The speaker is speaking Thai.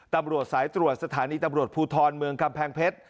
ตำรวจสายตรวจสถานีตำรวจภูทรเมืองกำแพงเพชร